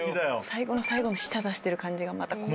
最後の最後に舌出してる感じがまた怖い。